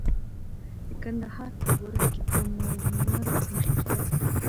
د کندهار په غورک کې د مرمرو نښې شته.